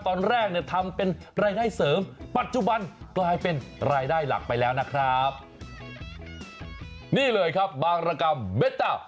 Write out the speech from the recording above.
ตอนแรกเนี่ยทำเป็นรายง่ายเสริมปัจจุบันกลายเป็นรายได้หลักไปแล้วนะครับ